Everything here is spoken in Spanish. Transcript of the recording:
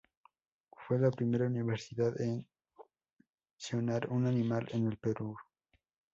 Fue la primera universidad en clonar un animal en el Perú.